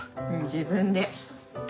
自分で！